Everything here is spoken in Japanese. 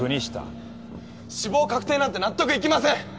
国下死亡確定なんて納得いきません！